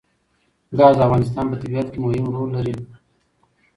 ګاز د افغانستان په طبیعت کې مهم رول لري.